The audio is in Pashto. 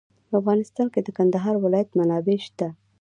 په افغانستان کې د کندهار ولایت منابع شته.